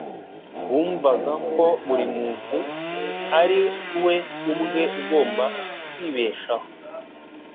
bumvaga ko buri muntu ari we ubwe ugomba kwibeshaho,